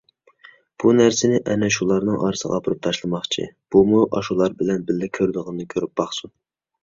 بۇ نەرسىنى ئەنە شۇلارنىڭ ئارىسىغا ئاپىرىپ تاشلىماقچى، بۇمۇ ئاشۇلار بىلەن بىللە كۆرىدىغىنىنى كۆرۈپ باقسۇن.